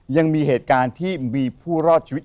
ยังมีเหตุการณ์ที่มีผู้รอดชีวิต